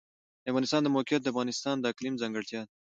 د افغانستان د موقعیت د افغانستان د اقلیم ځانګړتیا ده.